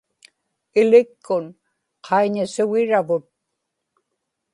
ilikkun qaiñasugiravut